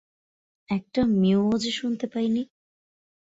একটা মিউও যে শুনতে পাইনি।